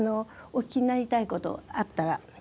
お聞きになりたいことあったら。